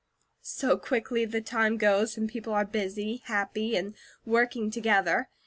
So quickly the time goes, when people are busy, happy, and working together.